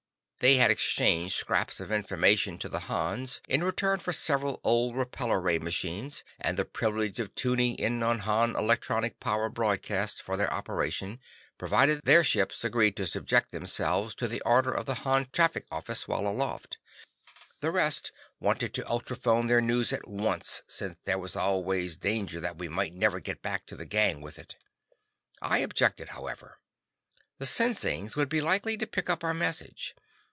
They had exchanged scraps of information to the Hans in return for several old repellor ray machines, and the privilege of tuning in on the Han electronic power broadcast for their operation, provided their ships agreed to subject themselves to the orders of the Han traffic office, while aloft. The rest wanted to ultrophone their news at once, since there was always danger that we might never get back to the gang with it. I objected, however. The Sinsings would be likely to pick up our message.